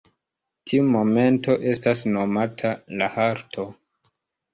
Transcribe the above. Tiu momento estas nomata la halto.